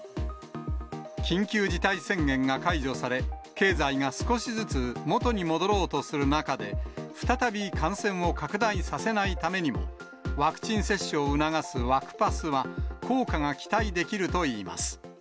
緊急事態宣言が解除され、経済が少しずつ元に戻ろうとする中で、再び感染を拡大させないためにも、ワクチン接種を促すワクパスは、効果が期待できるといいます。